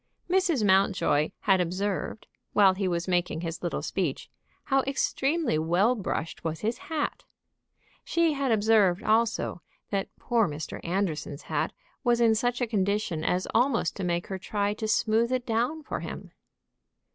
Mrs. Mountjoy had observed, while he was making his little speech, how extremely well brushed was his hat. She had observed, also, that poor Mr. Anderson's hat was in such a condition as almost to make her try to smooth it down for him.